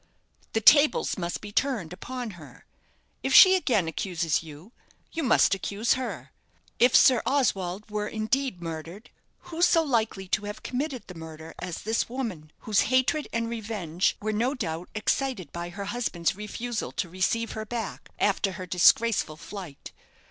"The tables must be turned upon her. If she again accuses you, you must accuse her. If Sir Oswald were indeed murdered, who so likely to have committed the murder as this woman whose hatred and revenge were, no doubt, excited by her husband's refusal to receive her back, after her disgraceful flight?